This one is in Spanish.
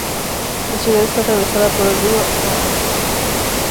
La ciudad está atravesada por el río Aa.